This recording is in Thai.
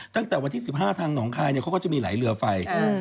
ตั้งแต่วันที่๑๕ทางหนองคายเขาก็จะมีหลายเรือไฟ